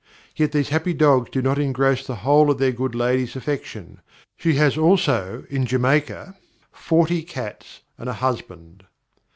Yet these happy dogs do not engross the whole of their good Lady's Affection; she has also, in Jamaica, FORTY CATS, and a Husband."